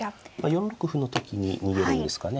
４六歩の時に逃げるんですかね。